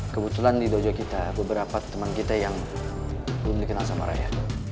kebetulan di dojo kita beberapa teman kita yang belum dikenal sama raya